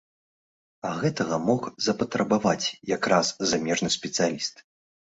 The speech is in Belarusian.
А гэтага мог запатрабаваць якраз замежны спецыяліст.